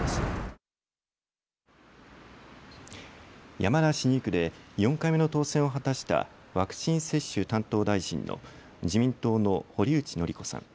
山梨２区で４回目の当選を果たしたワクチン接種担当大臣の自民党の堀内詔子さん。